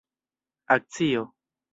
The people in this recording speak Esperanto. akcio